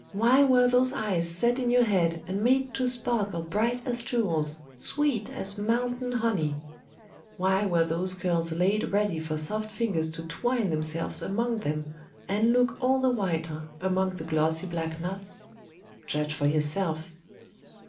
Why were those eyes set in your head, and made to sparkle bright as jewels, sweet as mountain honey? Why were those curls laid ready for soft fingers to twine themselves among them, and look all the whiter among the glossy black knots? Judge for yourself!